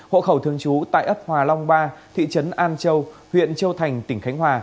hộ khẩu thường chú tại ất hòa long ba thị trấn an châu huyện châu thành tỉnh khánh hòa